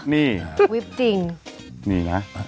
นี่วิปจริงนี่นะ